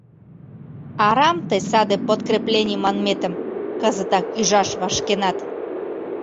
Арам тый саде подкреплений манметым кызытак ӱжаш вашкенат.